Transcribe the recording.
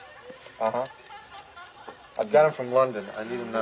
あ！